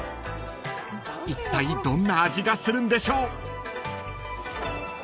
［いったいどんな味がするんでしょう］